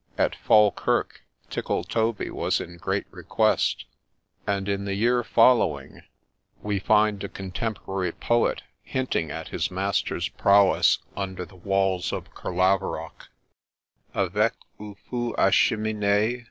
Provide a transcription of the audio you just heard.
At Falkirk, Tickletoby was in great request ; and in the year following, we find a contem 52 GREY DOLPHIN porary poet hinting at his master's prowess under the walls of Caerlaverock — C^bcc ens fu acljiminc?